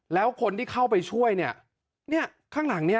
แล้วคนที่เข้าไปช่วยนี่ข้างหลังนี่